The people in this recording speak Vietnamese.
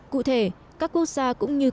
cụ thể các quốc gia cũng như